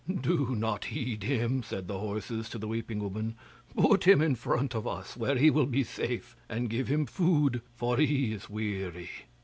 'Do not heed him,' said the horses to the weeping woman; 'put him in front of us, where he will be safe, and give him food, for he is weary.